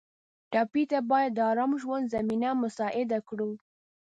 ټپي ته باید د ارام ژوند زمینه مساعده کړو.